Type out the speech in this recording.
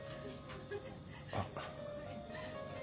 あっ。